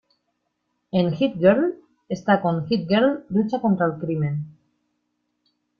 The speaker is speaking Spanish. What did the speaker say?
En "Hit-Girl", está con Hit-Girl lucha contra el crimen.